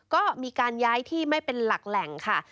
ก็มีการย้ายที่ไม่เป็นหลักแหล่งค่ะ